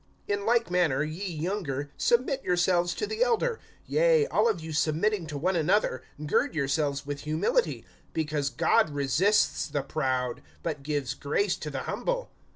(5)In like manner, ye younger, submit yourselves to the elder. Yea, all of you submitting to one another, gird yourselves with humility; because, God resists the proud, but gives grace to the humble.